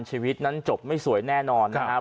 ชีวิตนั้นจบไม่สวยแน่นอนนะครับ